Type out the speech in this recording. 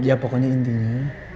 ya pokoknya intinya